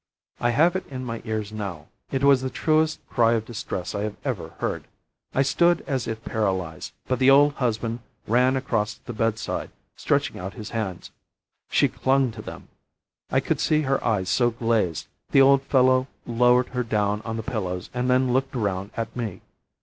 I have it in my ears now. It was the truest cry of distress I ever heard. I stood as if paralyzed, but the old husband ran across to the bedside, stretching out his hands. She clung to them! I could see her eyes go glazed; the old fellow lowered her down on the pillows and then looked round at me.